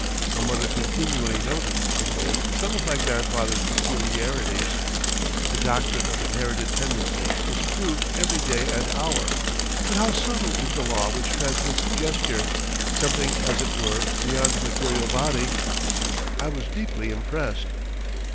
My mother continually noticed in me some of my grandfather's peculiarities. The doctrine of inherited tendencies is proved every day and hour, but how subtle is the law which transmits gesture, something as it were beyond the material body. I was deeply impressed.